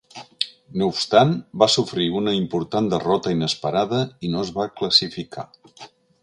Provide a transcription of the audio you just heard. No obstant, va sofrir una important derrota inesperada i no es va classificar.